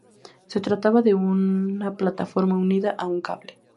Se trataba de una plataforma unida a un cable.